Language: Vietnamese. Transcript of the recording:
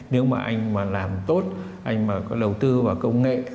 nếu mà anh mà làm tốt anh mà có đầu tư vào công nghệ